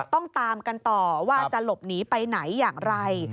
ต้องตามกันต่อว่าจะหลบหนีไปไหนอย่างไร